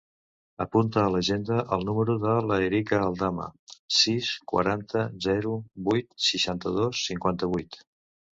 Apunta a l'agenda el número de l'Erica Aldama: sis, quaranta, zero, vuit, seixanta-dos, cinquanta-vuit.